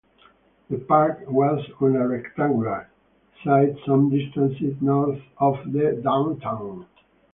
The Park was on a rectangular site some distance north of the downtown.